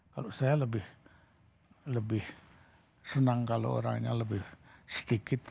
kalau saya lebih senang kalau orangnya lebih sedikit